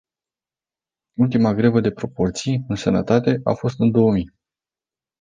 Ultima grevă de proporții, în sănătate, a fost în două mii.